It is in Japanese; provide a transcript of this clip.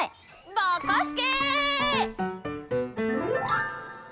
ぼこすけ！